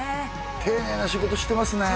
丁寧な仕事してますね